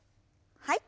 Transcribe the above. はい。